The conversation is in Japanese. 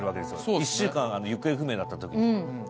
１週間行方不明だったときに。